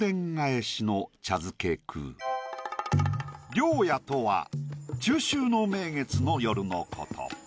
「良夜」とは中秋の名月の夜のこと。